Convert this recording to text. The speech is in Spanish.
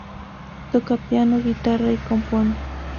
Toca piano, guitarra y compone.